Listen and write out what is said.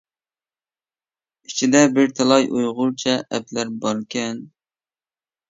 ئىچىدە بىر تالاي ئۇيغۇرچە ئەپلەر باركەن.